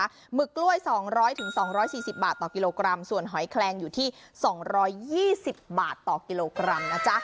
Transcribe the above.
หมึกกล้วยสองร้อยถึงสองร้อยสี่สิบบาทต่อกิโลกรัมส่วนหอยแคลงอยู่ที่สองร้อยยี่สิบบาทต่อกิโลกรัมนะจ๊ะ